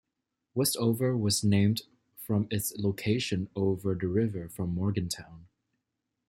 Westover was named from its location over the river from Morgantown.